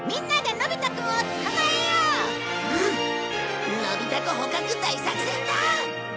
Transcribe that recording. のびタコ捕獲大作戦だ！